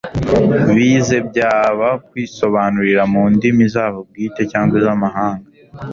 bize byaba kwisobanurira mu ndimi zabo bwite cyangwa iz'amahanga